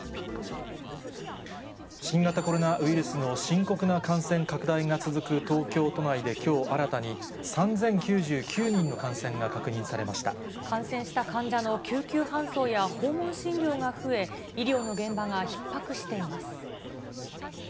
新型コロナウイルスの深刻な感染拡大が続く東京都内できょう新たに３０９９人の感染が確認さ感染した患者の救急搬送や訪問診療が増え、医療の現場がひっ迫しています。